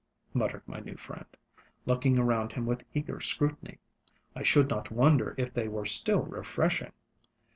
ŌĆØ muttered my new friend, looking around him with eager scrutiny. ŌĆ£I should not wonder if they were still refreshing.